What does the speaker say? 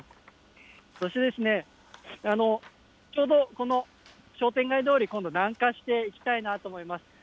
そして、ちょうどこの商店街通り、今度南下していきたいなと思います。